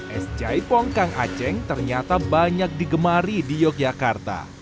es jaipom kang acek ternyata banyak digemari di yogyakarta